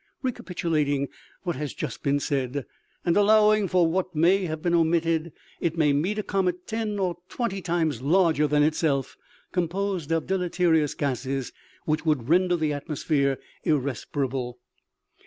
Reca pitulating what has just been said, and allowing for what may have been omitted : it may meet a comet ten or twenty times larger than itself, composed of deleterious gases which would render the atmosphere irrespirable ; it OMEGA.